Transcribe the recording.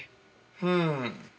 うん。